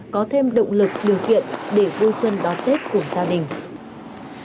có thêm động lực điều kiện để vui xuân đón tết cùng gia đình